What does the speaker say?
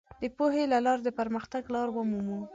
د پوهې له لارې د پرمختګ لار ومومو.